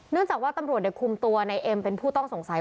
เนื่องจากว่าตังหลวงได้คุมตัวนายเอ็มเป็นผู้ต้องสงสัย